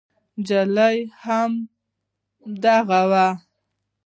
نجلۍ هماغه وه.